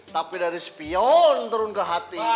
tapi dari spion turun ke hati